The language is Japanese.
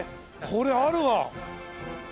これあるわ。